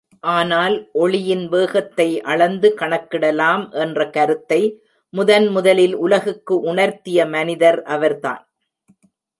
ஆனால் ஒளியின் வேகத்தை அளந்து கணக்கிடலாம் என்ற கருத்தை முதன் முதலில் உலகுக்கு உணர்த்திய மனிதர் அவர்தான்.